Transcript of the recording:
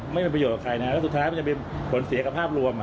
ไม่เป็นประโยชน์กับใครนะแล้วสุดท้ายมันจะเป็นผลเสียกับภาพรวม